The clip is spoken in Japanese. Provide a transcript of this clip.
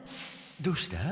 どうした？